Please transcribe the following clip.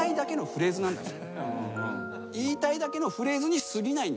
言いたいだけのフレーズにすぎないんです。